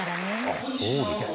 「あっそうですか」